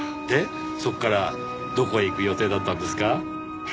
でそこからどこへ行く予定だったんですか？